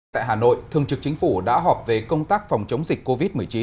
tại hà nội thương trực chính phủ đã họp về công tác phòng chống dịch covid một mươi chín